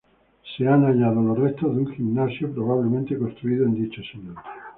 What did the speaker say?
Se han hallado los restos de un gimnasio, probablemente construido en dicho siglo.